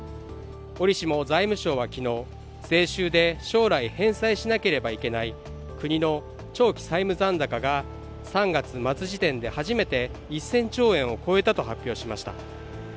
折しも財務省は昨日、税収で将来返済しなければいけない国の長期債務残高が３月末時点で初めて１０００兆円を超えたと発表しました。